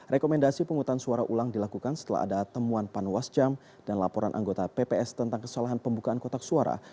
rekomendasi penghutang suara ulang dilakukan setelah ada temuan panwas jam dan laporan anggota pps tentang kesalahan pembukaan kotak suara